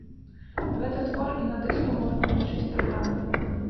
Гэты твор і на дыску можна лічыць праграмным.